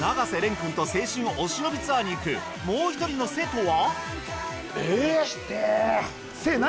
君と青春お忍びツアーに行くもう一人の「瀬」とは？